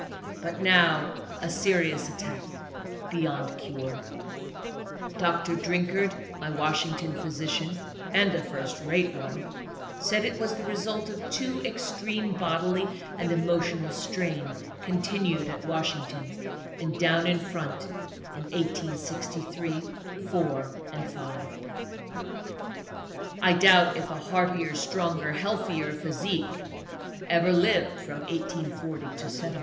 But now a serious attack, beyond cure. Dr. Drinkard, my Washington physician, (and a first rate one,) said it was the result of too extreme bodily and emotional strain continued at Washington and " down in front," in 1863, '4 and '5. I doubt if a heartier, stronger, healthier physique ever lived, from 1840 to '70.